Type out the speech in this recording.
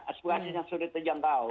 aspirasi yang sudah terjangkau